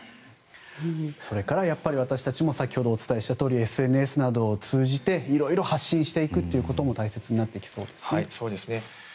それから私たちも先ほどお伝えしたとおりＳＮＳなどを通じていろいろ発信していくことも大切になってきそうですね。